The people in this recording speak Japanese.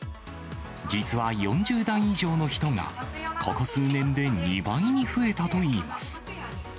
実は４０代以上の人が、ここ数年で２倍に増えたといいます。